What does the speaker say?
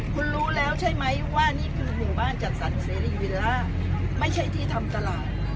คุณรู้แล้วใช่ไหมว่านี่คือหมู่บ้านจัดสรรเสรีวิลล่าไม่ใช่ที่ทำตลาด